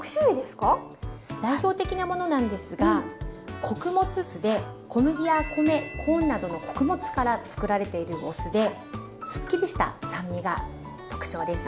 代表的なものなんですが穀物酢で小麦や米コーンなどの穀物からつくられているお酢ですっきりした酸味が特徴です。